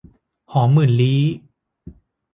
หอมหมื่นลี้